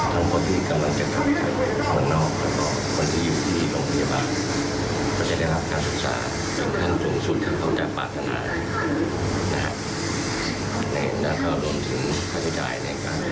ทั้งเรื่องการเรียนหรือว่าอีกคนนึงที่เสมือนเป็นพ่อและแม่ให้กับน้องทั้งสองคน